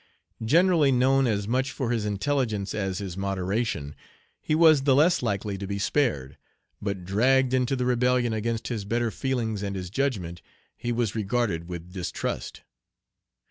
Generally known as much for his intelligence as his moderation, he was the less likely to be spared; but dragged into the rebellion against his better feelings and his judgment, he was regarded with distrust.